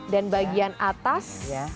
dan bagian atas